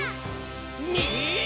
２！